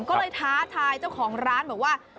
ก็เลยท้าทายเจ้าของร้านบอกว่า